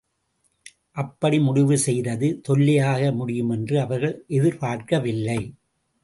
அப்படி முடிவு செய்தது தொல்லையாக முடியுமென்று அவர்கள் எதிர்பார்க்கவில்லை.